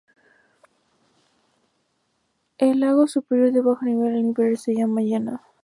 El lago superior baja de nivel, el inferior se llena.